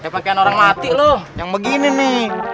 pakean orang mati lu yang begini nih